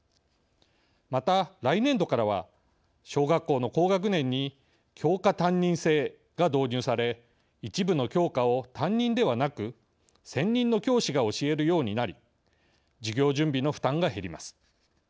また来年度からは小学校の高学年に教科担任制が導入され一部の教科を担任ではなく専任の教師が教えるようになり授業準備の負担が減ります。